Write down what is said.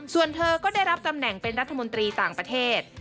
ส่วนเธอก็ได้รับตำแหน่งเป็นรัฐมนตรีต่างประเทศ